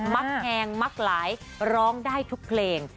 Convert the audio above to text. มักแฮงมักหลายร้องได้ทุกเพลง